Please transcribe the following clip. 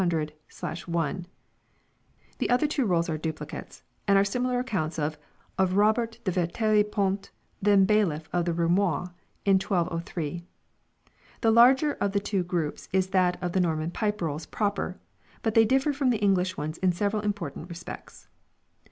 The two other rolls are duplicates and are similar ac counts of Robert de Veteri Ponte, then bailiff of the Roumois, in 1203. The larger of the two groups is that of the Norman Pipe Rolls proper ; but they differ from the English ones in several important respects.